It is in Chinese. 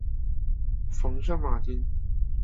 蓬圣马丁。